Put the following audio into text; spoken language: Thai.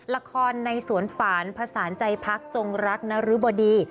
ละครในสวนฝานผสานใจพักจงรักนรึบดี